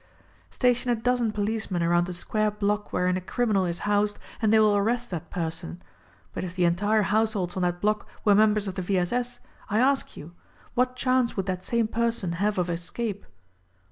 ! Station a dozen policemen around a square block wherein a criminal is housed and they will arrest that person ; but if the entire households on that block were members of the V. S. S. I ask you : What chance would that same person have of escape?